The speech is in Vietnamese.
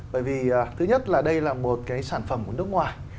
bởi vì thứ nhất là đây là một cái sản phẩm của nước ngoài